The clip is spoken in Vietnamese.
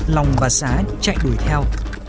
lòng và xá chạy đuổi theo